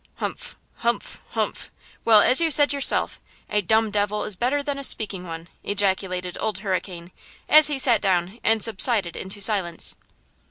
"Humph! humph! humph! Well as you said yourself, 'a dumb devil is better than a speaking one.' " ejaculated Old Hurricane, as he sat down and subsided into silence.